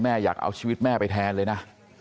อยากเอาชีวิตแม่ไปแทนเลยนะ